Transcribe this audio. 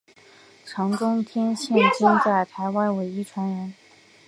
常中天现今在台湾唯一传人。